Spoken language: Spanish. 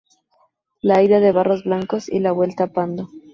La ida es Barros Blancos y la vuelta Pando.